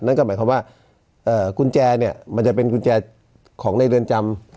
นั่นก็หมายความว่ากุญแจเนี่ยมันจะเป็นกุญแจของในเรือนจำ